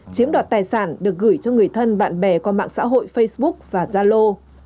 chiếm đoạt tài sản được gửi cho người thân bạn bè qua mạng xã hội facebook và gia lô